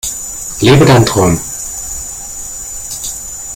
Lebe deinen Traum!